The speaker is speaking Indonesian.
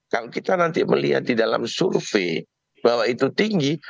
kalau kita nanti melihat di dalam survei bahwa itu tinggi